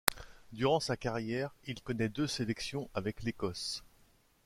Durant sa carrière, il connaît deux sélections avec l'Écosse.